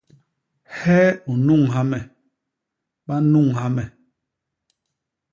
Hee u nnunha me? Ba nnunha me.